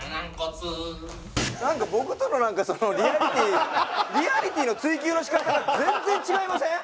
僕とのなんかそのリアリティーリアリティーの追求の仕方が全然違いません？